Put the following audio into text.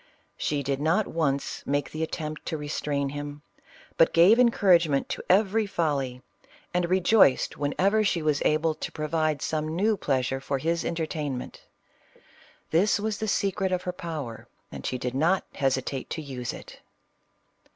She did not once make the attempt to restrain him, but gave encourage ment to every folly, and rejoiced whenever she was CLEOPATRA. 41 able to provide some new pleasure for his entertain ment This was the secret of her power, and she did not hesitate to use it.